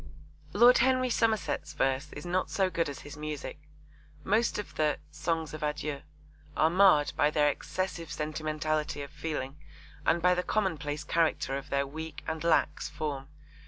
Lord Henry Somerset's verse is not so good as his music. Most of the Songs of Adieu are marred by their excessive sentimentality of feeling and by the commonplace character of their weak and lax form.